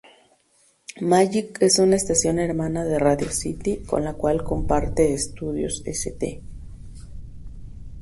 Magic es una estación hermana de Radio City, con la cual comparte estudios St.